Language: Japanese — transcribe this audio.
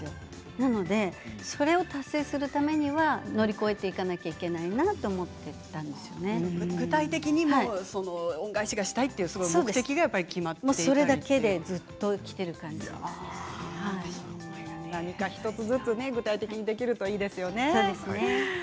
なので、それを達成するためには乗り越えていかなければいけないなと思って具体的に恩返しをしたいそれだけで何か１つずつ具体的にできるといいですね。